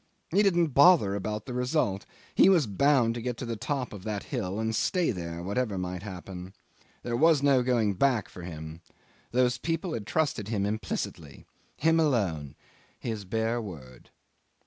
He didn't bother about the result. He was bound to get to the top of that hill and stay there, whatever might happen. There could be no going back for him. Those people had trusted him implicitly. Him alone! His bare word.